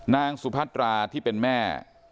นางสุพัตราที่เป็นแม่